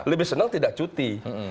lebih senang tidak cuti